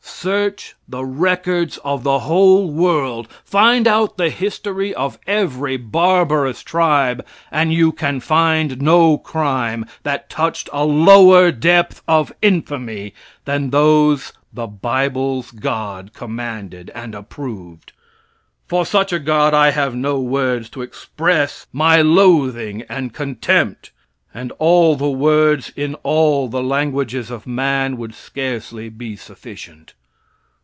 Search the records of the whole world, find out the history of every barbarous tribe, and you can find no crime that touched a lower depth of infamy than those the bible's God commanded and approved. For such a God I have no words to express my loathing and contempt, and all the words in all the languages of man would scarcely be sufficient.